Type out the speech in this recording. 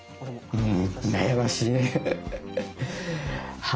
うん。